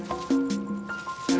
gak ada apa apa